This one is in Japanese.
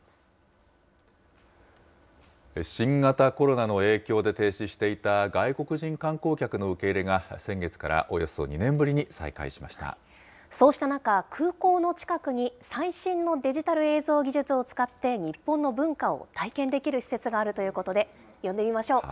新型コロナの影響で停止していた外国人観光客の受け入れが先月かそうした中、空港の近くに最新のデジタル映像技術を使って日本の文化を体験できる施設があるということで、呼んでみましょう。